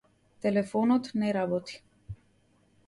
Телефонот не работи.